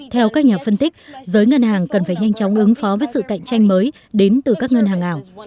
theo các nhà phân tích giới ngân hàng cần phải nhanh chóng ứng phó với sự cạnh tranh mới đến từ các ngân hàng ảo